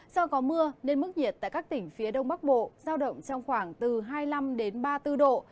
do có mưa nên mức nhiệt tại các tỉnh phía đông bắc bộ giao động trong khoảng từ hai mươi năm đến ba mươi bốn độ